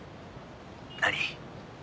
何？